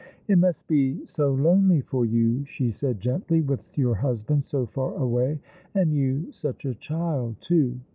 "It must be so lonely for you," she said gently, "with your husband so far away, and you such a child, too.